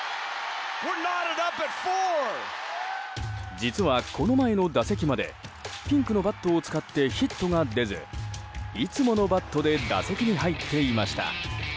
実はこの前の打席までピンクのバットを使ってヒットが出ずいつものバットで打席に入っていました。